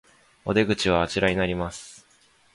お出口はあちらになります